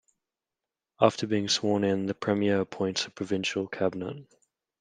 After being sworn in, the Premier appoints a provincial cabinet.